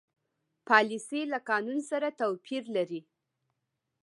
پالیسي له قانون سره توپیر لري.